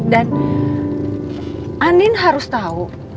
dan andin harus tahu